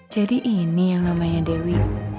ini yang namanya dewi